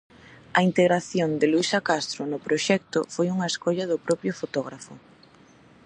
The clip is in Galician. A integración de Luísa Castro no proxecto foi unha escolla do propio fotógrafo.